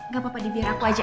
gak apa apa deh biar aku aja